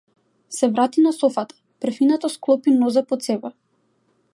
Се врати на софата, префинето склопи нозе под себе.